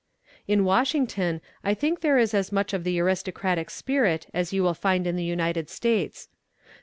In Washington I think there is as much of the aristocratic spirit as you will find in the United States.